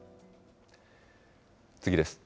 次です。